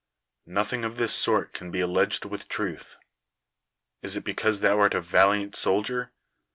Nothing of this sort can be alleged with truth. Is it because thou art a valiant soldier?